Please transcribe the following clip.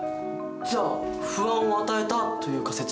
じゃあ「不安を与えた」という仮説は？